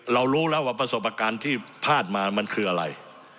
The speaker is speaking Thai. รู้แล้วว่าประสบการณ์ที่พลาดมามันคืออะไร